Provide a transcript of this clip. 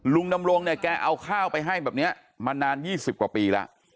ลุงดำรงเนี่ยแกเอาข้าวไปให้แบบนี้มานาน๒๐กว่าปีแล้ว